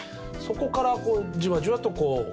そこからじわじわとこう。